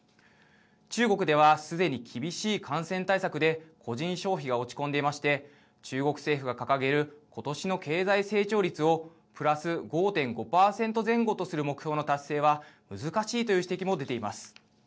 中国ではすでに厳しい感染対策で個人消費が落ち込んでいまして中国政府が掲げることしの経済成長率をプラス５．５％前後とする目標の達成は難しいという指摘も出ています。